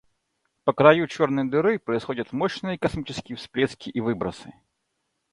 По краю черной дыры происходят мощные космические всплески и выбросы.